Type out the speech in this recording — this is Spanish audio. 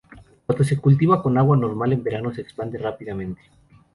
Cuando se cultiva con agua normal en verano se expande rápidamente.